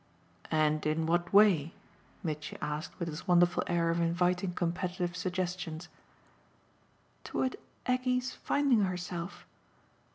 "And in what way ?" Mitchy asked with his wonderful air of inviting competitive suggestions. "Toward Aggie's finding herself.